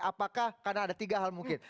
apakah karena ada tiga hal mungkin